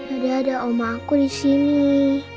ada ada oma aku di sini